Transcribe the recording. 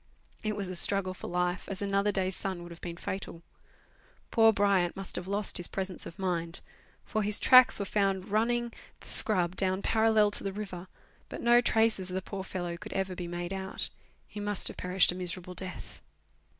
It was a struggle for life, as another day's sun would have been fatal. Poor Bryant must have lost his presence of mind, for his tracks were found running the 24G Letters from Victorian Pioneers. scrub down parallel to the river, but no traces of the poor fellow could ever be made out ; he must have perished a miserable death.